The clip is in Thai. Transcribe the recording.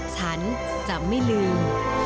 ฉันจะไม่ลืม